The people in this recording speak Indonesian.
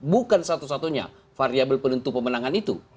bukan satu satunya variable penentu pemenangan itu